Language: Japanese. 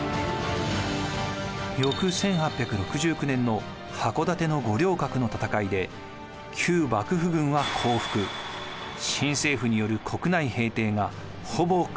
翌１８６９年の箱館の五稜郭の戦いで旧幕府軍は降伏新政府による国内平定がほぼ完了しました。